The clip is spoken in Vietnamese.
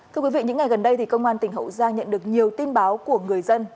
thưa quý vị những ngày gần đây thì công an tỉnh hậu giang nhận được nhiều tin báo của người dân